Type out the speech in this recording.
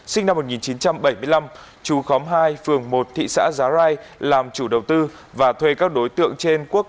sinh năm một nghìn chín trăm bảy mươi năm trú khóm hai phường một thị xã già rai làm chủ đầu tư và thuê các đối tượng